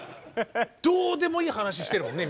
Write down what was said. どうでもいい話してるもんね